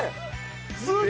すげえ！